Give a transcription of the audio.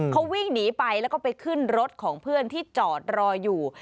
เขาวิ่งหนีไปแล้วก็ไปขึ้นรถของเพื่อนที่จอดรออยู่